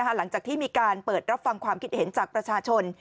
หลังจากที่มีการเปิดรับฟังความคิดเห็นจากประชาชน